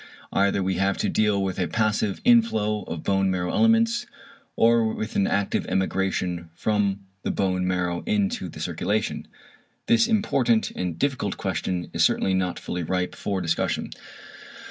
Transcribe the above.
Either we have to deal with a passive inflow of bone marrow elements, or with an active emigration from the bone marrow into the circulation. This important and difficult question is certainly not fully ripe for discussion.